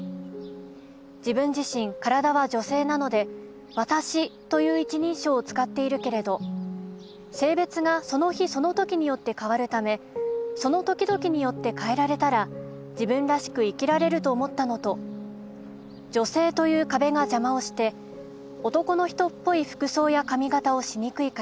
自分自身身体は女性なので『私』という一人称を使っているけれど性別がその日その時によって変わるためその時々によって変えられたら自分らしく生きられると思ったのと女性という壁が邪魔をして男の人っぽい服装や髪型をしにくいから。